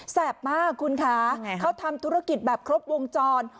มากคุณคะเขาทำธุรกิจแบบครบวงจร